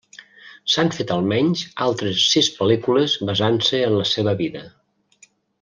S'han fet almenys altres sis pel·lícules basant-se en la seva vida.